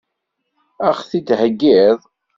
Ad ɣ-t-id-theggiḍ?